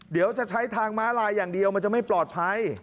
เดี๋ยวจะใช้ทางม้าลายอย่างเดียวมันจะไม่ปลอดภัย